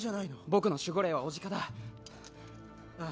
僕の守護霊は雄鹿だあ